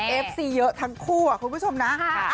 เอฟซีเยอะทั้งคู่คุณผู้ชมนะ